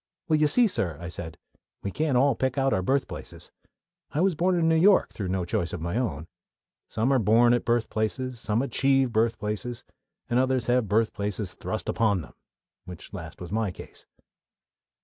"Well, you see, sir," I said, "we can't all pick out our birthplaces. I was born in New York through no choice of my own. Some are born at birthplaces, some achieve birthplaces, and others have birthplaces thrust upon them which last was my case."